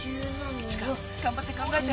イチカがんばって考えて。